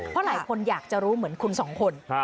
เพราะหลายคนอยากจะรู้เหมือนคุณสองคน